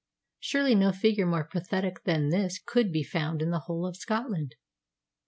Surely no figure more pathetic than his could be found in the whole of Scotland.